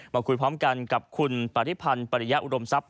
มาคุยพร้อมกันกับคุณปริพันธ์ปริยะอุดมทรัพย